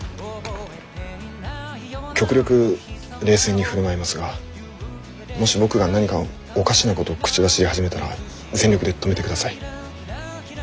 極力冷静に振る舞いますがもし僕が何かおかしなことを口走り始めたら全力で止めてください。